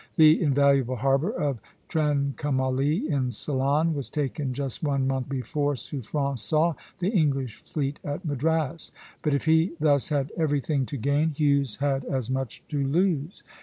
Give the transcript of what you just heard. The invaluable harbor of Trincomalee, in Ceylon, was taken just one month before Suffren saw the English fleet at Madras. But if he thus had everything to gain, Hughes had as much to lose.